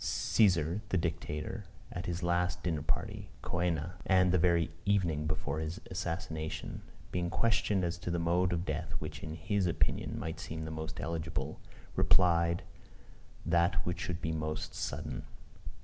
Cæsar the Dictator, at his last dinner party, (coena,) and the very evening before his assassination, being questioned as to the mode of death which, in his opinion, might seem the most eligible, replied "That which should be most sudden."